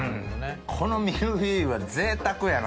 このミルフィーユは贅沢やな。